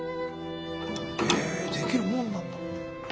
へえできるもんなんだ。